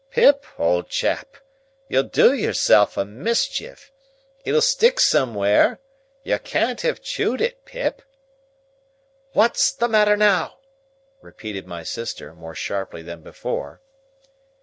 "Pip, old chap! You'll do yourself a mischief. It'll stick somewhere. You can't have chawed it, Pip." "What's the matter now?" repeated my sister, more sharply than before.